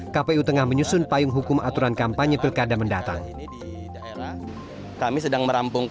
kpu tengah menyusun payung hukum aturan kampanye pilkada mendatang